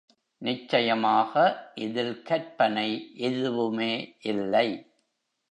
நிச்சயமாக இதில் கற்பனை எதுவுமே இல்லை.